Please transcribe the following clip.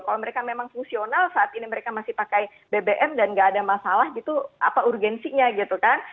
kalau mereka memang fungsional saat ini mereka masih pakai bbm dan gak ada masalah gitu apa urgensinya gitu kan